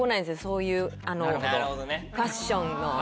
そういうファッションの。